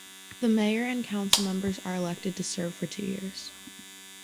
The mayor and councilmembers are elected to serve for two years.